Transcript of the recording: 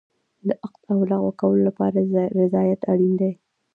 د عقد او لغوه کولو لپاره رضایت اړین دی.